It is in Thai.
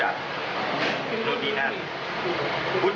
ครับ